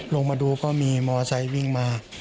ลงมาดูก็มีมอไซค์วิ่งมา